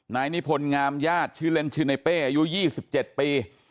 นายนิพนธ์งามญาติชื่อเล่นชื่อในเป้อายุ๒๗ปี